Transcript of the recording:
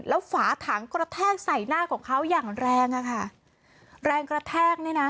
แล้วฝาถังกระแทกใส่หน้าของเขาอย่างแรงอ่ะค่ะแรงกระแทกเนี่ยนะ